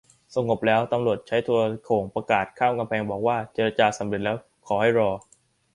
สงบแล้ว ตำรวจใช้โทรโข่งประกาศข้ามกำแพงมาบอกว่า เจรจาสำเร็จแล้ว ขอให้รอ